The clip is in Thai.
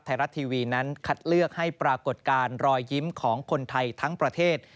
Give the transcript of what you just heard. ไทยรัฐทีวีนั้นคัดเลือกให้ปรากฏการณ์รอยยิ้มของคนไทยทั้งประเทศ